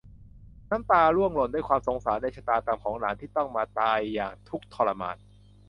น้ำตาร่วงหล่นด้วยความสงสารในชะตากรรมของหลานที่ต้องมาตายอย่างทุกข์ทรมาน